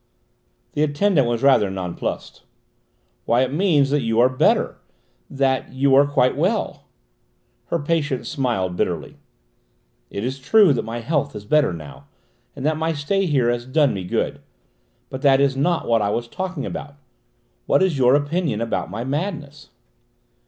The attendant was rather nonplussed. "Why, it means that you are better: that you are quite well." Her patient smiled bitterly. "It is true that my health is better now, and that my stay here has done me good. But that is not what I was talking about. What is your opinion about my madness?"